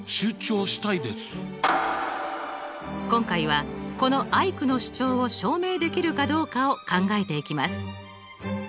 今回はこのアイクの主張を証明できるかどうかを考えていきます。